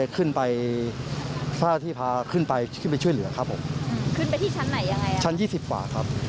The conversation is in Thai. ขึ้นไปที่ชั้นไหนยังไงชั้น๒๐บาทครับ